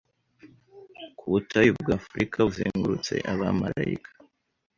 ku butayu bwa Afurika buzengurutse Abamarayika